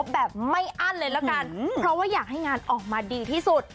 แบบไม่อั้นเลยละกันเพราะว่าอยากให้งานออกมาดีที่สุด